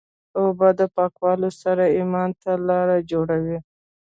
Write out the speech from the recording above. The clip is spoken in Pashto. اوبه د پاکوالي سره ایمان ته لاره جوړوي.